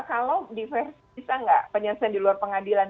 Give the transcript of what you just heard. kalau di versi bisa nggak penyelesaian di luar pengadilan